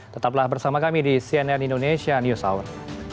tetaplah bersama kami di cnn indonesia news hour